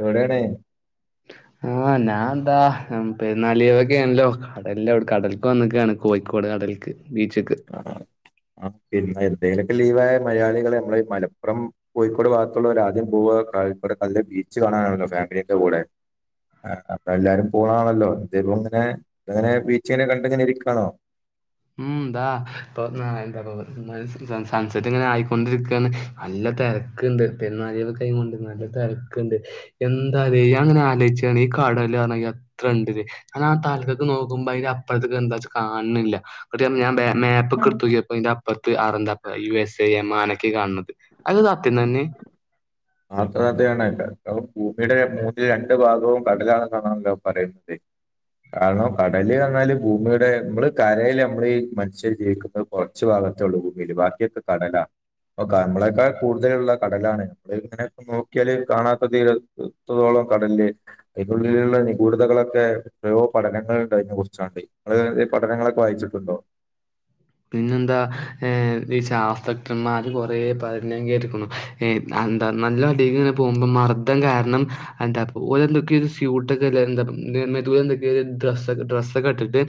എവിടെയാണ്? ആഹ് ഞാൻ ഇതാ ഉം പെരുന്നാള് ലീവൊക്കെ ആണെല്ലോ? അതെല്ല ഔട് കടെൽക്ക് വന്ന്ക്കാണ് കോഴിക്കോട് കടെൽക്ക് ബീച്ച്ക്ക്. ആഹ് [unintelligible] എന്തെലൊക്കെ ലീവായ മലയാളികള് ഞമ്മള് മലപ്പുറം കോഴിക്കോട് ഭാഗത്തുള്ളോര് ആദ്യം പോവാ ക [unintelligible] ബീച്ച് കാണാനാണല്ലോ ഫാമിലീന്റെ കൂടെ. ആഹ് അപ്പൊ എല്ലാരും പോണാണല്ലോ ഇതെപ്പൊ ഇങ്ങെനെ, ഇങ്ങെനെ ബീച്ചിങ്ങനെ കണ്ട്ങ്ങെനെ ഇരിക്കാണോ? ഉം ഇതാ ഇപ്പൊ ആഹ് എന്താപ്പൊ [unintelligible] സൺസെറ്റ് ഇങ്ങെനെ ആയിക്കൊണ്ടിര്ക്കാണ് നല്ലെ തെരക്ക്ണ്ട് പെര്ന്നാൾ ലീവൊക്കെ ആയികൊണ്ട് നല്ലെ തെരക്ക്ണ്ട്. എന്താലെ ഞാ ഇങ്ങെനെ ആലോയിച്ചാണ് ഈ കടല് കാണാൻ എത്രെണ്ട്ലേ? ആഹ് തൽക്കെക്ക് നോക്കുമ്പോ അയ്ന് അപ്പർത്ത്ക്ക് എന്താച്ചാ കാൺണില്ലാ. ഓടി വന്ന് ഞാൻ ബേ മേപ്പക്കെട്ത്തോക്കിയപ്പൊ അയ്ന്റപ് പ്പെർത്ത് അടെന്താപ്പം യു എസ് എ, യെമാനൊക്കെ കാണത് അത് സത്യം തെന്നെ? ആഹ് ഒക്കെ സത്യാണ് കാരണം ഭൂമിയുടെ മൂന്നിൽ രണ്ട് ഭാഗവും കടലാണ്ന്നാണല്ലോ പറയുന്നത്. കാരണം കടല് പർഞ്ഞാല് ഭൂമിയുടെ ഇമ്മള് കരേല് നമ്മളീ മനുഷ്യർ ജീവിക്കുന്നെത് കൊറച്ച് ഭാഗത്തെ ഇള്ളൂ ഭൂമിയില് ബാക്കിയൊക്കെ കടലാണ്. ഇപ്പോ ക നമ്മളേക്കാ കൂടുതലുള്ളെ കടലാണ് [unintelligible] അങ്ങനെ ഇപ്പോ നോക്കിയാല് കാണാത്ത തീരത്തോളം കടെല് അതിനുള്ളിലുള്ള നിഗൂഢതകളൊക്കെ എത്രയോ പഠനങ്ങള്ണ്ട് അയ്നെ കുറിച്ചാണ്ട്. ഇങ്ങെള് എന്തേ പഠനങ്ങളൊക്കെ വായിച്ചിട്ടുണ്ടോ? പിന്നെന്താ ഏഹ് ഈ ശാസ്ത്രജ്ഞന്മാര് കൊറെ പറയും ഞാൻ കേട്ട്ക്കണു ഈ എന്താ നല്ല അടീക്കിങ്ങനെ പോകുമ്പോ മർദം കാരണം ആന്താ ഓലെന്തൊക്കെയോ ഒരു സ്യൂട്ടൊക്കെല്ലെ [unintelligible] എന്തൊക്കെയോ ഡ്രസെക്കെ ഡ്രസ്സൊക്കെ ഇട്ടിട്ട്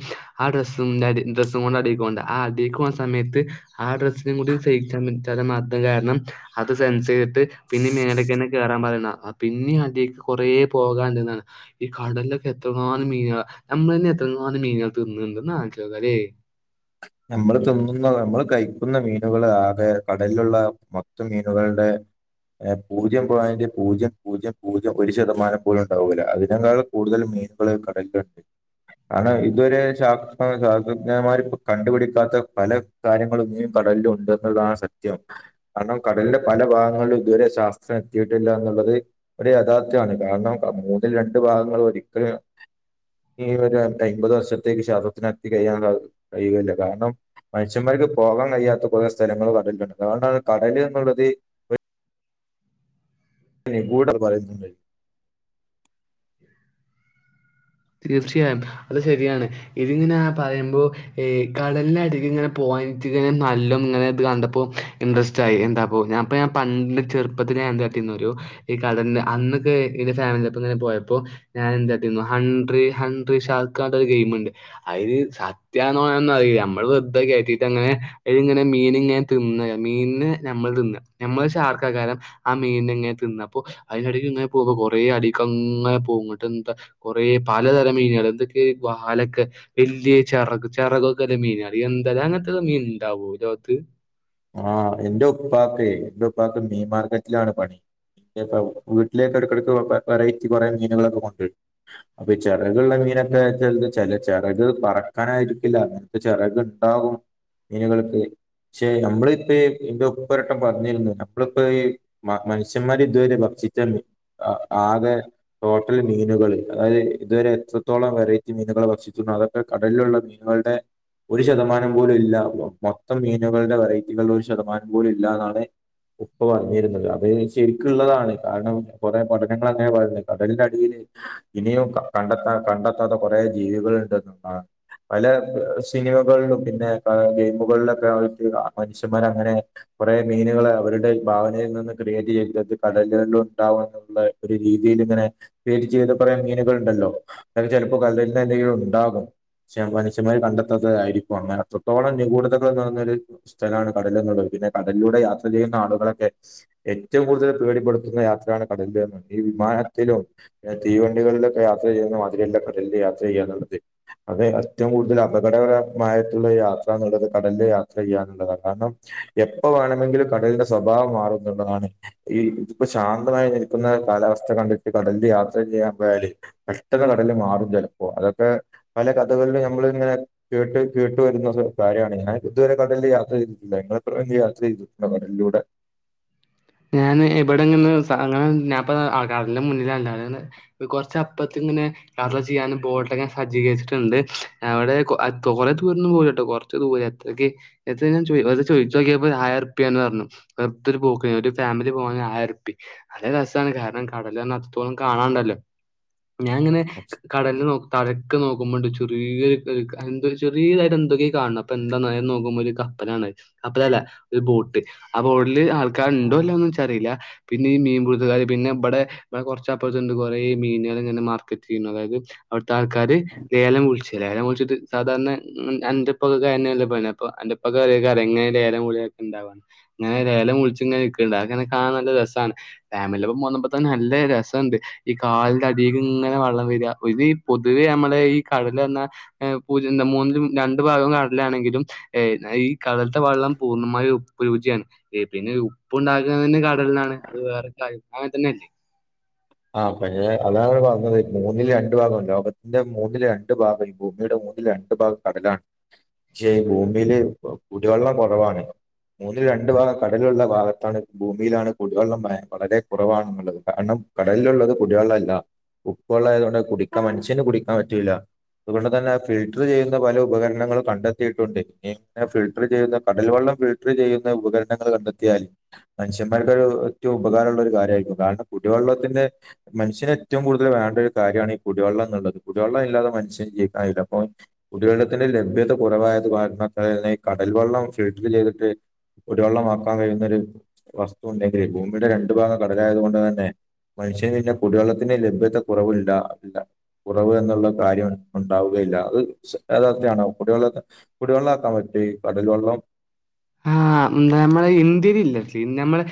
ആ ഡ്രസ്സും അടി ഡ്രസ്സും കൊണ്ട് അടിക്കോണ്ടെ ആ അടീക്ക് പോണ സമയത്ത് ആ ഡ്രസ്സിനും കൂടി [unintelligible] ചെല മർദം കാരണം അത് സെൻസ് ചെയ്തിട്ട് പിന്നെ മേലെക്കെന്നെ കേറാൻ പറയുന്നാ പിന്നേം അടീക്ക് കൊറേ പോകാന്ണ്ട്ന്നാണ് ഈ കടലിലൊക്കെ എത്രങ്ങാനം മീനുകളാ നമ്മളെന്നെ എത്രങ്ങാനം മീനുകളെ തിന്ന്ണ്ട് ഒന്ന് ആലോയിച്ചോക്കാല്ലേ നമ്മള് തിന്നുന്ന നമ്മള് കഴിക്കുന്ന മീനുകൾ ആകെ കടലിലുള്ള മൊത്തം മീനുകളുടെ ഏഹ് പൂജ്യം പോയിന്റ് പൂജ്യം പൂജ്യം പൂജ്യം ഒരു ശതമാനം പോലും ഉണ്ടാവൂല്ലാ അതിനേങ്ങാൾ കൂടുതൽ മീനുകൾ കടലിലുണ്ട് കാരണം ഇതുവരെ ശാസ്‌ത്ര ശാസ്ത്രജ്ഞമാരിപ്പം കണ്ടുപിടിക്കാത്ത പല കാര്യങ്ങളും ഇനിയും കടലിലുണ്ട് എന്നുള്ളതാണ് സത്യം കാരണം കടലിന്റെ പല ഭാഗങ്ങളിലും ഇതുവരെ ശാസ്ത്രം എത്തിയിട്ടില്ലാ എന്നുള്ളത് ഒരു യഥാർത്ഥ്യമാണ് കാരണം മൂന്നിൽ രണ്ടു ഭാഗങ്ങൾ ഒരിക്കലും ഈ ഒരു അയിമ്പത് വർഷത്തേക്ക് [unintelligible] കയ്യാൻ കയ്യൂല്ലാ കാരണം മനുഷ്യന്മാർക്ക് പോകാൻ കഴിയാത്ത കുറെ സ്ഥലങ്ങള് കടലില്ണ്ട് അതുകൊണ്ടാണ് കടല് എന്നുള്ളത് നിഗൂഡാന്ന് പറയുന്നത് തീർച്ചയായും അത് ശെരിയാണ് ഇതിങ്ങനെ പറയുമ്പോ ഈ കടലിനടിയിൽ ഇങ്ങനെ [unintelligible] നല്ലോ ഇങ്ങനെ ഇത് കണ്ടപ്പോ ഇൻട്രസ്റ്റ് [unintelligible] എന്താപ്പോ ഞാൻ ഇപ്പ ഞാൻ പണ്ട് ചെറുപ്പത്തില് ഞാൻ എന്താട്ടീന്നു അറിയോ ഈ കടൽന്റെ അന്നൊക്കെ ഇന്റെ ഫാമിലിൻ്റെപ്പങ്ങനെ പോയപ്പോ ഞാൻ എന്താട്ടീന്നു ഹൺ ട്രീ, ഹൺട്രി ഷാർക്കാ പറഞ്ഞിട്ടൊരു ഗെയിമ്ണ്ട്. അത് സത്യാണോ അതൊന്നും അറീല്ല നമ്മൾ വെർ തെ കേട്ടീട്ട് അങ്ങനെ അയ്ല് ഇങ്ങനെ മീൻങ്ങെ തിന്നാ. മീൻനെ ഞമ്മൾ തിന്നാ. ഞമ്മള് ശാർക്കാകാരം ആ മീൻനെ ഇങ്ങനെ തിന്നാ. അപ്പോ അയിൻ്റെടീല് ഇങ്ങെ പോകും കൊറേ അടീക്കങ്ങനെ പോകും. ഇങ്ങട്ട് എന്താ കൊറേ പലതര മീനേള് ഇതൊക്കെ വാലൊക്കെ വല്യെ ചെറക്. ചെറകൊക്കെ ഇല്ലെ മീനേള്. എന്താലേ അങ്ങനത്തൊക്കെ മീൻ ഇണ്ടാവോ ഈ ലോകത്ത്? ആഹ് എന്റെ ഉപ്പാക്കേ എൻ്റെ ഉപ്പക്ക് മീൻ മാർക്കറ്റിലാണ് പണി. ചെലപ്പം വീട്ടിലേക്ക് എടക്കെടക്ക് [unintelligible] വെറൈറ്റി കൊറേ മീനുകളൊക്കെ കൊണ്ടുവരും. അപ്പൊ ഈ ചെറക്ള്ള മീനൊക്കെ ചെലത് ചെല ചെറക് പറക്കാനായിരിക്കില്ല. അങ്ങനെ ത്തെ ചിറക് ഇണ്ടാകും മീനുകൾക്ക്. [unintelligible] ഞമ്മളിപ്പേ ഇന്റെ ഉപ്പ ഒരട്ടം പറഞ്ഞിര്ന്നു. ഞമ്മളിപ്പോ ഈ മ മനുഷ്യന്മാര് ഇതുവരെ ഭക്ഷിച്ചന്ന് അ ആകെ ടോട്ടൽ മീനുകൾ അതായത് ഇതുവരെ എത്രത്തോളം വെറൈറ്റി മീനുകളെ ഭക്ഷിച്ചിണോ അതൊ ക്കെ കടലിലുള്ള മീനുകളുടെ ഒരു ശതമാനം പോലും ഇല്ല മൊ മൊത്തം മീ നുകളുടെ വെറൈറ്റികൾ ഒരു ശതമാനം പോലും ഇല്ലാന്നാണ് ഉപ്പ പറഞ്ഞിരുന്നത്. അത് ശരിക്ക്ള്ളതാണ് കാരണം കൊറേ പഠനങ്ങൾ അങ്ങനെ പറയുന്ന്. കടലിന്റെ അടീല് ഇനിയും കണ്ടത്താ കണ്ടെത്താത്ത കൊറെ ജീവികളുണ്ട് എന്നുള്ളതാ. പല സിനിമകളിലും പിന്നെ ക ഗെയിമുകളിലൊക്കെ ആയിട്ട് മനുഷ്യന്മാര് അങ്ങനെ കൊറേ മീനുകൾ അവരുടെ ഭാവനയിൽ നിന്ന് ക്രിയേറ്റ് ചെയ്തത് കടലുകളിലും ഉണ്ടാവുന്നും ഉള്ള ഒരു രീതീല് ഇങ്ങനെ ക്രിയേറ്റ് ചെയ്ത കൊറേ മീന്കള്ണ്ടല്ലോ. അത് ചെലപ്പം കടലിൻ്റെ അടീലും ഉണ്ടാകും. പക്ഷെ മനുഷ്യമാര് കണ്ടെത്താത്തത് ആയിരിക്കും. അങ്ങനെ അത്രത്തോളം നികൂഢതകൾ നിറഞ്ഞൊര് സ്ഥലാണ് കടല് എന്നുള്ളത്. പിന്നെ കടലിലൂടെ യാത്ര ചെയ്യുന്ന ആളുകളൊക്കെ ഏറ്റവും കൂടുതൽ പേടിപ്പെടുത്തുന്ന യാത്രയാണ് കടലില് എന്ന്. ഈ വിമാനത്തിലും തീവണ്ടികളിലൊക്കെ യാത്ര ചെയ്യുന്ന മാതിരിയല്ല കടലില് യാത്ര ചെയ്യാന്നുള്ളത്. അത് ഏറ്റവും കൂടുതൽ അപകടകരമായിട്ടുള്ള യാത്രാന്ന്ള്ളത് കടലിലെ യാ ത്ര ചെയ്യാന്നുള്ളതാ. കാരണം എപ്പ വേണമെങ്കിലും കടലിന്റെ സ്വഭാവം മാറും എന്നുള്ളതാണ്. ഈ ഇതിപ്പോ ശാന്തമായി നിൽക്കുന്ന കാലാവസ്ഥ കണ്ടിട്ട് കടലില് യാത്ര ചെയ്യാൻ പോയാല്, പെട്ടനെ കടല് മാറും ചെലപ്പോ അതൊക്കെ പല കഥകളിലും ഞമ്മൾ ഇങ്ങനെ കേട്ട് കേട്ട് വരുന്നൊരു കാര്യാണ്. ഞാന് ഇതുവരെ കടലില് യാത്ര ചെയ്തിട്ടില്ല. ഇങ്ങൾ എപ്പളെങ്കിലും യാത്ര ചെയ്തിട്ടുണ്ടോ കടലിലൂടെ? ഞാന് ഇബടെങ്ങെനെ സ അങ്ങനെ ഞാൻ പ്പൊ ആഹ് കടല്ന്റെ മുന്നിലാ [unintelligible] കൊറച്ചപ്പത്ത് ഇങ്ങനെ യാത്ര ചെയ്യാനും ബോട്ടൊക്കെ സജ്ജീകരിച്ചിട്ടുണ്ട്. അവിടെ കൊ തോനെ ദൂരൊന്നും പോകൂലട്ടോ. കൊറ് ച്ച് ദൂരെ. എത്രെക്കി, എത്രേന്ന് ഞാൻ ചോയ് അത് ചോയ്ച്ചോക്കിയപ്പോ ഒരായിരം ഉർപ്പ്യാന്ന് പർഞ്ഞു. വെർതൊരു പോക്കിന് ഒരു ഫാമിലി പോകാനാ ആയിരുർപ്പി. നല്ല രസാണ് കാരണം കടലർഞാ അത്രത്തോളം കാണാണ്ടല്ലോ. ഞാൻങ്ങനെ കടൽല് നോ തലക്കെ നോക്കുമ്പണ്ട് ചെറിയൊരു എന്ത ചെറിയതായിട്ട് എന്തൊക്കെ കാണ് ണാ. അപ്പെന്താന്നറിയാൻ നോക്കുമ്പോരു കപ്പലാണത്. കപ്പലല്ല ഒരു ബോട്ട് ആ ബോട്ടില് ആൾക്കാര് ണ്ടോ ഇല്ലേന്നൊന്നും ഇച്ചറീല്ല. പിന്നെ ഈ മീൻ പിടുത്തകാര് പിന്നെ ഇബടെ ഇബടെ കൊർച്ചപ്പർത്ത്ണ്ട് കൊറേ മീനാള് ങ്ങനെ മാർക്കറ്റ് ചെയ്യ്ണ്. അതായത് അവ്ട്ത്താള്ക്കാര് ലേലം വിള്ച്ച ലേലം വിള്ച്ച്ട്ട് സാധാരണ അന്റെ ഉപ്പാക്കൊക്കെ അതെന്നല്ലെ പണി. അപ്പൊ അന്റെ പ്പാക്ക് അറിയേക്കാരം എങ്ങനെ ലേലം വിളിയൊക്കെ ഇണ്ടാവാന്ന്. അങ്ങനെ ലേലം വിള്ച്ച്ങ്ങനെ കാണാൻ നല്ല രസാണ് ഫാമിലിന്റപ്പം പോന്നപ്പോ തന്നെ നല്ല രസംണ്ട്. ഈ കാലിന്റടീക്ക്ങ്ങനെ വള്ളം വെര ഇതീ പൊതുവേ ഞമ്മളെ ഈ കടലർഞാ. ഏ പൊര്ന്ത മൂന്നിലും രണ്ട് ഭാഗം കടലാണെങ്കിലും ഈ കടൽത്തെ വള്ളം പൂർണ്ണമായും ഉപ്പ് രുചിയാണ് പിന്നെ ഉ ഉപ്പുണ്ടാക്കുന്നതന്നെ കടൽന്നാണ് അത് വേറെ കാര്യം അങ്ങൻതന്നല്ലേ. ആ പക്ഷെ അതാണ് വ്ടെ പറഞ്ഞത് മൂന്നില് രണ്ടു ഭാഗം ലോകത്തിന്റെ മൂന്നില് രണ്ട്. രണ്ട് ഭാഗം ഈ ഭൂമിയുടെ മൂന്നില് രണ്ടു ഭാഗം കടലാണ്. ക്ഷെ ഭൂമില് കുടിവെള്ളം കൊറവാണ്. മൂന്നിൽ രണ്ടു ഭാഗം കടലുള്ള ഭാഗത്താണ് ഭൂമിയിലാണ് കുടിവെള്ളം വളരെ കുറവാണുള്ളത് കാരണം. കടലിലുള്ളത് കുടിവെള്ളല്ല ഉപ്പെള്ളായതു കൊണ്ട് കുടിക്കാൻ മനുഷ്യന് കുടിക്കാൻ പറ്റൂല്ല. അതുകൊണ്ട് തന്നെ ഫിൽട്ടർ ചെയ്യുന്ന പല ഉപകരണങ്ങളും കണ്ടെത്തിയിട്ടുണ്ട് ഇനി ഫിൽട്ടർ ചെയ്യുന്ന കടൽവെള്ളം ഫിൽ ട്ടർ ചെയ്യുന്ന ഉപകരണങ്ങൾ കണ്ടെത്തിയാൽ. മനുഷ്യന്മാർക്കേറ്റവും ഉപകാരൊള്ളരു കാര്യായിരിക്കും കാരണം കുടിവെള്ളത്തിന്റെ. മനുഷ്യനേറ്റവും കൂടുതൽ വേണ്ടൊരു കാര്യാണീ കുടിവെള്ളം ന്ന്ള്ളത് കുടിവെള്ളം ഇല്ലാതെ മനുഷ്യന് ജീവിക്കാൻ കഴിയില്ല അപ്പൊ. കുടിവെള്ളത്തിന്റെ ലഭ്യത കുറവായത് കാരണത്താലന്നെ ഈ കടൽവെള്ളം ഫിൽട്ടർ ചെയ്തിട്ട്. കുടിവെള്ളമാക്കാൻ കഴിയുന്നൊരു വസ്തു ണ്ടെങ്കിലേ ഭൂമിയുടെ രണ്ടു ഭാഗം കടലായത് കൊണ്ട് തന്നെ. മനുഷ്യന് പിന്നെ കുടിവെള്ളത്തിന്റെ ലഭ്യത കുറവുണ്ടാവില്ല. കുറവ് എന്നുള്ള കാര്യം ഉണ്ടാവുകയില്ല അത് യഥാർത്യാണോ കുടിവെള്ളം. കുടിവെള്ളാക്കാൻ പറ്റൊ ഈ കടൽ വെള്ളം. ആഹ് നമ്മളെ ഇന്ത്യയിലില്ല പിന്നമ്മളെ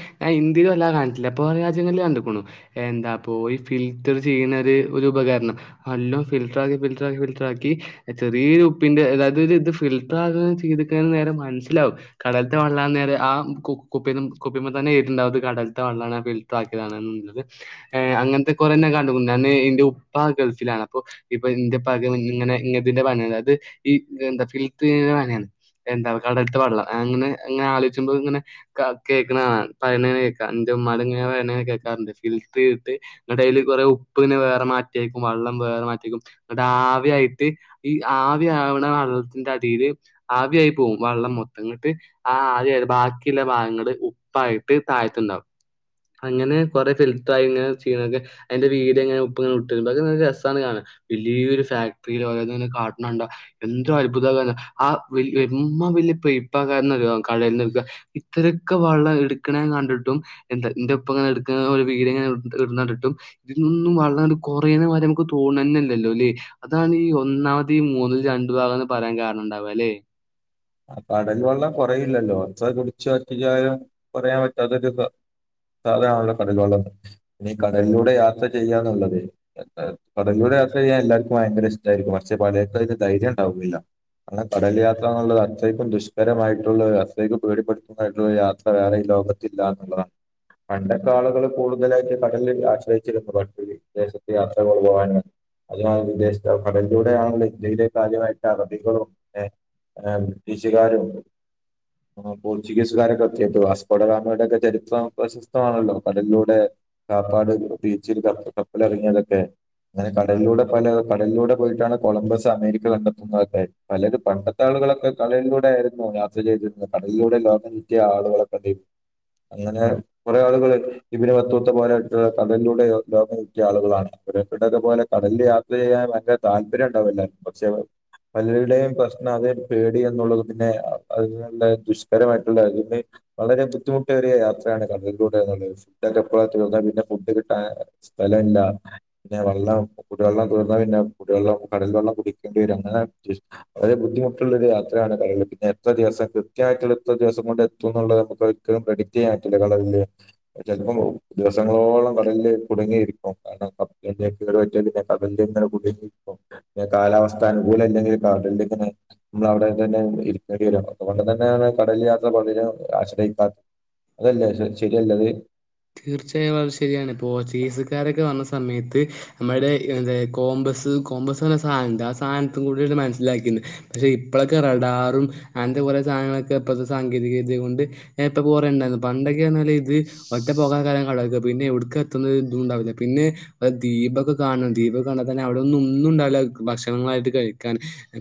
ഇന്ത്യല് വല്ലാതെ കണ്ട്ട്ടില്ല പൊറം രാജ്യങ്ങളില് കണ്ട്ക്ക്ണു. എന്താപോയി ഫിൽറ്റർ ചെയ്യണൊരു ഒരുപകരണം. അല്ലോ ഫിൽറ്ററാക്കി, ഫിൽറ്ററ്ററാക്കി, ഫിൽറ്ററാക്കി. ചെറിയൊരു പ്പിന്റെ അതായത് ഇത് ഫിൽട്ടറാണ് ചെയ്തക്ക്ണെ നേരെ മനസ്സിലാവും. കടൽത്തെ വെള്ളാ നേരെ ആ കുപ്പി കുപ്പിമ്മെ തന്നെ എയ്തീട്ടിണ്ടാവും ഇത് കടൽത്തെ വെള്ളാണ് ഫി ലറ്ററാക്കിയാതാണ്ള്ളത് അങ്ങൻത്തെ കൊറേ നാൻ കണ്ട്ക്കുണു ഞാന് എന്റെ ഉപ്പ ഗൾഫിലാണ് അപ്പോ. ഇപ്പൊ ഇന്റെ പ്പാക് ഇങ്ങനെ ഇങ്ങതിന്റെ പണിയാണ് ത് ഈ ഫിൽറ്ററെയ്യണ പണിയാണ്. എന്താ കടൽത്തെ വള്ളം അങ്ങനെ ഇങ്ങനെ ആലോയ്ച്ചുമ്പോ ങ്ങനെ. കേക്ണാണ പറേണെക്കാ എന്റെ ഉമ്മട്ങ്ങനെ പറയ്ണെ ഞാൻ കേക്കാറുണ്ട് ഫിൽറ്റർചെയ്ത്. ന്നട്ടയ്ല് കൊറേ ഉപ്പ് ങ്ങനെ വേറെ മാറ്റിയേക്കും വെള്ളം വേറെ മാറ്റിയേക്കും. ന്നട്ടാവിയായിട്ട് ഈ ആവി ആവണ വെള്ളത്തിന്റടില്. ആവിയായി പോവും വെള്ളം മൊത്തം. ന്ന്ട്ട് ആ ആവിയായി ബാക്കിള്ള ഭാഗങ്ങള് ഉപ്പായിട്ട് താഴത്ത്ണ്ടാവും. അങ്ങനെ കൊറെ ഫിൽട്ടറായി ഇങ്ങനെ ചെയ്യ്ണൊക്കെ അയ്ന്റെ വീഡിയോങ്ങനെ ഉപ്പ്ങ്ങെട്ട് [unintelligible] രസാണ് കാണാൻ. വലിയൊരു ഫാക്ടറിയിലോരോന്ന്ങ്ങനെ കാട്ടണണ്ട. എന്തത്ഭുത [unintelligible] ആ എമ്മാ വല്യ പൈപ്പകാര കടൽന്ന്ട്ക്ക. ഇത്രരൊക്കെ വള്ളം ഇട്ക്ക്ണ ഞാൻ കണ്ടിട്ടും. എന്ത എന്റെ ഒപ്പംങ്ങനെട്ക്ക്ണ വീഡിയോങ്ങനെ ഇടണണ്ട്ട്ടും. ഇതി നിന്നും വെള്ളങ്ങട് കൊറയ്ണ മാരി നമ്മക്ക് തോന്നണ്ല്ലല്ലോ ല്ലേ. അതാണ് ഈ ഒന്നാമത് ഈ മൂന്നിൽ രണ്ടു ഭാഗംന്ന് പറയാൻ കാരണംണ്ടാവ ല്ലെ. ആഹ് കടൽ വള്ളം കൊറയില്ലല്ലോ. എത്ര കുടിച്ചു വറ്റിച്ചാലും കൊറയാൻ പറ്റാത്തൊരു അതാണല്ലോ കടൽ വെള്ളം. ഇനി കടലിലൂടെ യാത്ര ചെയ്യാന്ന്ള്ളത്. കടലിലൂടെ യാത്ര ചെയ്യാൻ എല്ലാർക്കും ഭയങ്കര ഇഷ്ടായിരിക്കും. പക്ഷേ പലർക്കും അതിന് ധൈര്യം ഉണ്ടാവുകയില്ല. ആ കടൽ യാത്രാന്നുള്ളത് [unintelligible] ശരിക്കും ദുഷ്കരമായിട്ടുള്ളൊരവസ്ഥ അത്രക്കും പേടിപ്പെടുത്തുന്നതായിട്ടുള്ള യാത്ര വേറെ ഈ ലോകത്തില്ല എന്നുള്ളതാണ്. പണ്ടൊക്കെ ആളുകള് കൂടുതലായിട്ട് കടലിനെ ആശ്രയിച്ചിരുന്നു. പണ്ട് വിദേശത്ത് യാത്രകൾ പോകാനും [unintelligible] വിദേശത്ത് കടലിലൂടെ ആണല്ലോ ഇന്ത്യയിലേക്ക് ആദ്യമായി അറബികളും ഏഹ് [unintelligible] ബ്രിടീഷുകാരും ഏഹ് പോർച്ച്ഗീസ്കാരും [unintelligible] വാസ്ഗോഡഗാമയുടെ ഒക്കെ ചരിത്രം [unintelligible] സിദ്ധമാണല്ലോ കടലിലൂടെ കാപ്പാട് ബീച്ചിൽ കപ്പ കപ്പലെറങ്ങിയതൊക്കെ അങ്ങനെ കടലിലൂടെ പല കടലിലൂടെ പോയിട്ടാണ് കൊളംബസ് അമേരിക്ക കണ്ടെത്തുന്നതൊക്കെ. പലരും പണ്ടത്തെ ആളുകളൊക്കെ കടലിലൂടെ ആയിരുന്നു യാത്ര ചെയ്തിരുന്നത്. കടലിലൂടെ ലോകം ചുറ്റിയ ആളുകളൊക്കെ [unintelligible] അങ്ങനെ കൊറെേ ആളുകൾ ഇബ്നു ബത്തൂത്ത [unintelligible] കടലിലൂടെ ലോകം ചുറ്റിയ ആളുകളാണ് [unintelligible] പോലെ കടലില് യാത്ര ചെയ്യാൻ ഭയങ്കര താല്പര്യം ഉണ്ടാവും എല്ലാർക്കും പക്ഷെ പലരുടെയും പ്രശ്നം അതര് പേടി എന്നുള്ളതും പിന്നെ അതിനുള്ള ദുഷ്കരമായിട്ടുള്ള [unintelligible] വളരെ ബുദ്ധിമുട്ടേറിയ യാത്രയാണ് കടലിലൂടെ [unintelligible] ഫുഡ് ഒക്കെ തീർന്ന പിന്നെ ഫുഡ് കിട്ടാൻ സ്ഥലല്ല പിന്നെ വെള്ളം കുടിവെള്ളം തീർന്നാ പിന്നെ കുടിവെള്ളം കടൽ വെള്ളം കുടിക്കണ്ടി വരും അങ്ങനെ [unintelligible] വളരെ ബുദ്ധിമുട്ടുള്ളൊരു യാത്ര [unintelligible] പിന്നെ എത്ര ദിവസം കൃത്യമായിട്ടുള്ള എത്ര ദിവസം കൊണ്ട് എത്തുംന്നുള്ളത് നമുക്ക് ഒരിക്കലും പ്രെഡിക്ട് ചെയ്യാ പറ്റൂല കടലില് ചെലപ്പം ദിവസങ്ങളോളം കടലില് കുടുങ്ങിയിരിക്കും [unintelligible] കടലില് ഇങ്ങനെ [unintelligible] പിന്നെ കാലാവസ്ഥ അനുകൂല അല്ലെങ്കില് കടലില് ഇങ്ങനെ നമ്മളവ്ടെ [unintelligible] ഇരിക്കണ്ടി വരും അതുകൊണ്ട് തന്നെയാണ് കടലിലെ യാത്ര പലരും ആശ്രയിക്കാ അതല്ലേ [unintelligible] ശരിയല്ലെത് തീർച്ചയായും വളരെ ശരിയാണ്. പോർച്ചുഗീസുകാരൊക്കെ വന്ന സമയത്ത് നമ്മടെ എന്തേ കോംബസ് കോംബസ് പറഞ്ഞ സായനംണ്ട് ആ സായനത്തും കൂടിയാണ് മനസ്സിലാക്കീന്ന് പക്ഷെ ഇപ്പളൊക്കെ റഡാറും അങ്ങനത്തെ കൊറേ സാധനങ്ങളൊക്കെ ഇപ്പഴത്തെ സാങ്കേതിക വിദ്യ കൊണ്ട് [unintelligible] കൊറേ ഇണ്ടായിന്നു. പണ്ടൊക്കെ പറഞ്ഞാല് ഇത് ഒറ്റ പോക്കാക്കാരം കടല്ക്ക്‌. പിന്നെ എവ്ട്ക്കാ എത്ത്ന്നത് ഇതും ഇണ്ടാവൂല. പിന്നെ [unintelligible] ദീപൊക്കെ കാണും. ദീപൊക്കെ കണ്ടാ തന്നെ അവിടൊന്നും ഒന്നും ഉണ്ടാവില്ല ഭക്ഷണങ്ങളായിട്ട് കഴിക്കാന്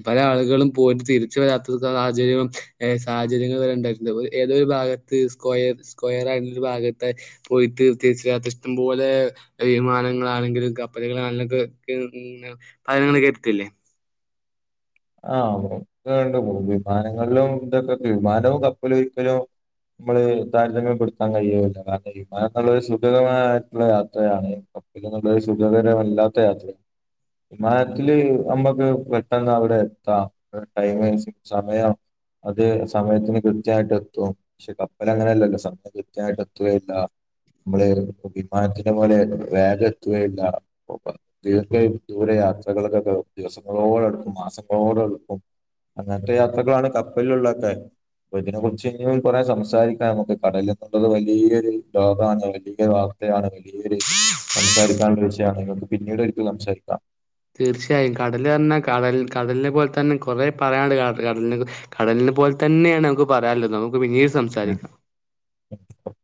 പല ആളുകളും പോയിട്ട് തിരിച്ച് വരാത്ത സാഹചര്യവും സാഹചര്യങ്ങൾ വരെ ഇണ്ടായിട്ട്ണ്ട്. ഏതൊരു ഭാഗ [unintelligible] സ്ക്വയർ സ്ക്വയർ ആയി [unintelligible] ഒരു ഭാഗത്ത് പോയിട്ട് തി തിരിച്ച് വരാത്ത ഇഷ്ടം പോലെ വിമാനങ്ങളാണെങ്കിലും കപ്പലുകളാണെങ്കിലും ഒക്കെ [unintelligible] ഇങ്ങൾ കേട്ടിട്ടില്ലേ ആഹ് അവിടൊക്കെണ്ട് [unintelligible] വിമാനങ്ങളിലും ഇതൊക്കെ വിമാനവും കപ്പലും ഒരിക്കലും നമ്മള് താരതമ്യപെടുത്താൻ കഴിയില്ല. കാരണം വിമാനംന്നുള്ളത് സുഖകരമായിട്ടുള്ള യാത്രയാണ് ഇപ്പം കപ്പല് എന്നുള്ളത് സുഖകരമല്ലാത്ത യാത്ര വിമാനത്തില് നമ്മക്ക് പെട്ടെന്ന് അവിടെ എത്താം. ഒരു ടൈം സമയം അത് സമയത്തിന് കൃത്യായിട്ട് എത്തും പക്ഷെ കപ്പല് അങ്ങനെയല്ലല്ലോ [unintelligible] കൃത്യായിട്ട് എത്തുകയില്ല നമ്മളെ വിമാനത്തിന്റെ പോലെ വേഗം എത്തുകയില്ല ദീർഘ ദൂര യാത്രകൾക്കൊക്കെ ദിവസങ്ങളോളെടുക്കും മാസങ്ങളോളം എടുക്കും അങ്ങനത്തെ യാത്രകളാണ് കപ്പലിലുള്ളക്കെ അപ്പൊ ഇതിനെ കുറിച്ച് ഇനിയും കുറേ സംസാരിക്കാൻ നമുക്ക് കടല് അത്രതൊരു വലിയൊരു ലോകണ് വലിയൊരു വാ [unintelligible] ഈ ഒരു സംസാരിക്കാനുള്ള വിഷയാണ് നമുക്ക് പിന്നീട് ഒരിക്കെ സംസാരിക്കാം തീർച്ചയായും കടല് പർഞ്ഞാ കടൽ കടലിനെ പോലെ തന്നെ കൊറേ പറയാണ്ട് കട കടൽന്ന് കടലിനെ പോലെ തന്നെയാണ് നമുക്ക് പറയാല്ലതും നമുക്ക് പിന്നീട് സംസാരിക്കാം [inaudible]